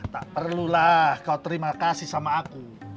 tak perlu lah kau terima kasih sama aku